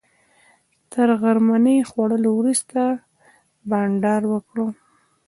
تر غرمنۍ خوړلو وروسته بانډار وکړ.